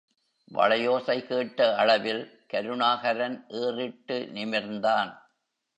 வளையோசை கேட்ட அளவில், கருணாகரன் ஏறிட்டு நிமிர்ந்தான்.